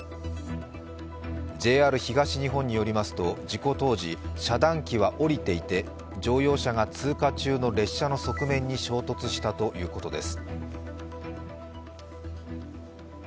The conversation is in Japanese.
ＪＲ東日本によりますと事故当時遮断機は下りていて乗用車が通貨中の列車る側面に衝突したということです。